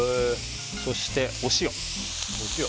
そして、お塩。